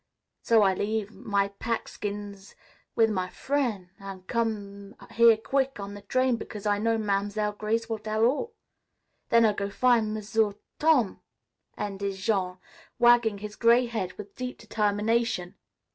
So I leave my pack skins wit' my frien' and come here quick on the train, because I know Mam'selle Grace will tell all. Then I go fin' M'sieu' Tom," ended Jean, wagging his gray head with deep determination.